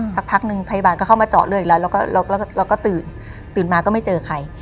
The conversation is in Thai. สักพักนึงพยาบาลก็เข้ามาเจาะเลือดอีกแล้วแล้วก็ตื่นตื่นมาก็ไม่เจอใคร